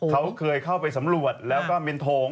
เขาเคยเข้าไปสำรวจแล้วก็เมนโทง